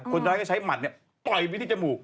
คนร้ายก็ใช้หมัดต่อยไปที่จมูก